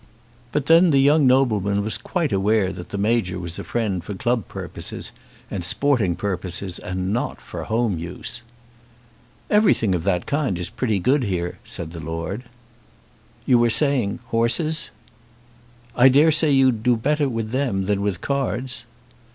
But then the young nobleman was quite aware that the Major was a friend for club purposes, and sporting purposes, and not for home use. "Everything of that kind is pretty good here," said the Lord. "You were saying horses." "I dare say you do better with them than with cards."